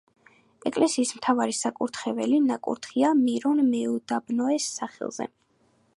ეკლესიის მთავარი საკურთხეველი ნაკურთხია მირონ მეუდაბნოეს სახელზე.